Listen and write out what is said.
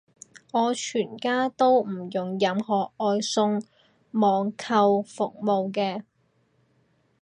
我全家都唔用任何外送網購服務嘅